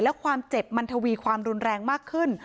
และความเจ็บมันทวีความรุนแรงมากขึ้น